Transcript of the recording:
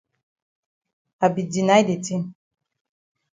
I be deny de tin.